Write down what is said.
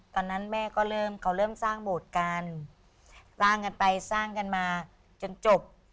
ตอนนั้นแม่ก็เริ่มเขาเริ่มสร้างโบสถ์กันสร้างกันไปสร้างกันมาจนจบ